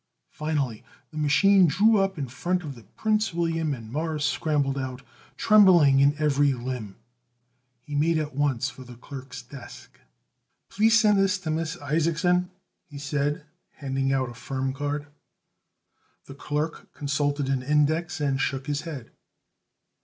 Finally, the machine drew up in front of the Prince William and Morris scrambled out, trembling in every limb. He made at once for the clerk's desk. "Please send this to Miss Isaacson," he said, handing out a firm card. The clerk consulted an index and shook his head.